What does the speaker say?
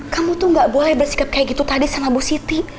kamu tuh gak boleh bersikap kayak gitu tadi sama bu siti